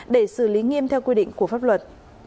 để xử lý nghiêm theo quy định của pháp luật